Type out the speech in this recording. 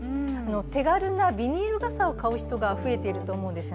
手軽なビニール傘を買う人が増えていると思います。